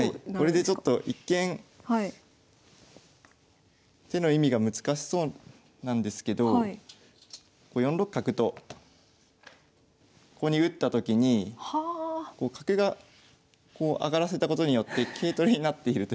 これでちょっと一見手の意味が難しそうなんですけどこう４六角とここに打ったときに角がこう上がらせたことによって桂取りになっているという。